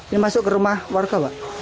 ini masuk ke rumah warga pak